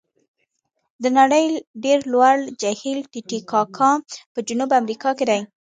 د نړۍ ډېر لوړ جهیل تي تي کاکا په جنوب امریکا کې دی.